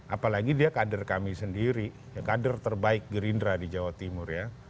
apalagi dia kader kami sendiri kader terbaik gerindra di jawa timur ya